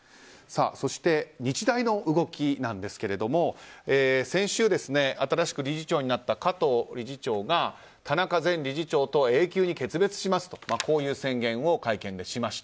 そして、日大の動きなんですが先週、新しく理事長になった加藤理事長が田中前理事長と永久に決別しますとこういう宣言を会見でしました。